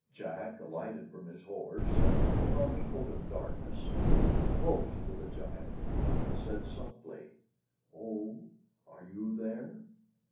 Jack alighted from his horse, and, putting on the coat of darkness, went up close to the giant, and said softly, "Oh! are you there?